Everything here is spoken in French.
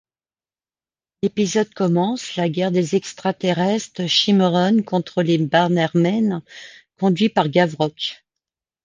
L'épisode commence la guerre des extra-terrestres Chimeron contre les Bannermen, conduit par Gavrok.